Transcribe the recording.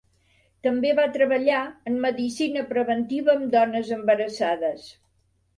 També va treballar en medicina preventiva amb dones embarassades.